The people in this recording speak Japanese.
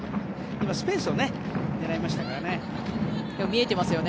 今、スペースを狙いましたからね。